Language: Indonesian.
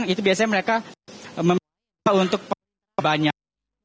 itu biasanya mereka meminta untuk banyak